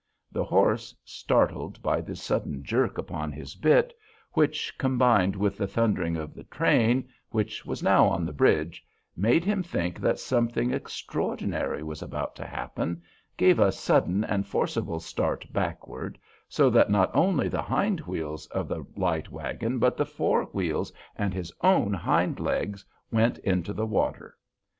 The horse, startled by this sudden jerk upon his bit, which, combined with the thundering of the train, which was now on the bridge, made him think that something extraordinary was about to happen, gave a sudden and forcible start backward, so that not only the hind wheels of the light wagon, but the fore wheels and his own hind legs went into the water.